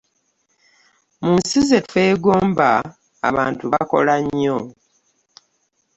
Mu nsi ze twegomba abantu bakola nnyo.